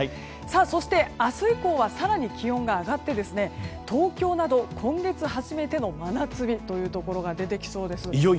そして明日以降は更に気温が上がって東京など今月初めての真夏日というところが出てきそうです。